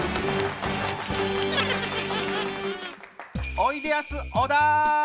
おいでやす小田！